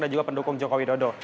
dan juga pendukung joko widodo